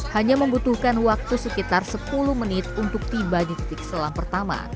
hanya membutuhkan waktu sekitar sepuluh menit untuk tiba di titik selam pertama